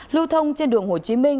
lưu thông trên đường hồ chí minh